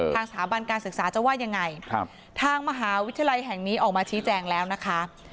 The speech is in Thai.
สถาบันการศึกษาจะว่ายังไงทางมหาวิทยาลัยแห่งนี้ออกมาชี้แจงแล้วนะคะ